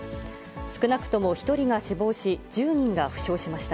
少なくとも１人が死亡し、１０人が負傷しました。